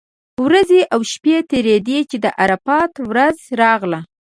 ورځې او شپې تېرېدې چې د عرفات ورځ راغله.